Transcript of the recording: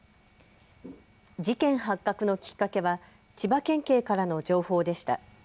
事件発覚のきっかけは千葉県警からの情報でした。